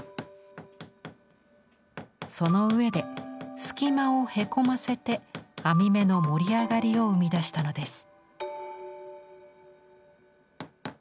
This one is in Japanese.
その上で隙間をへこませて網目の盛り上がりを生み出したのです。